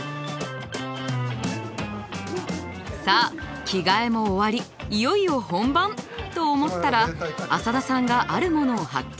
さあ着替えも終わりいよいよ本番！と思ったら浅田さんがあるものを発見。